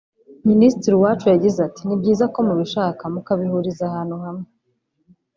Minisitiri Uwacu yagize ati “Ni byiza ko mubishaka mukabihuriza ahantu hamwe